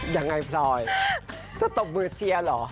ยังไงพลอยสตบมือเซียเหรอ